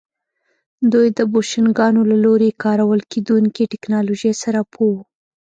دوی د بوشنګانو له لوري کارول کېدونکې ټکنالوژۍ سره پوه وو